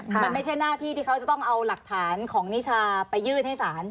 มันไม่ใช่หน้าที่ที่เขาจะต้องเอาหลักฐานของนิชาไปยื่นให้ศาล